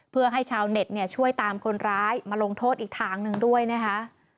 เพื่อให้ชาวเน็ตเนี่ยช่วยตามคนร้ายมาลงโทษอีกทางหนึ่งด้วยนะคะ